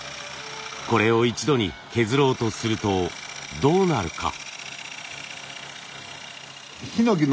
これを一度に削ろうとするとどうなるか。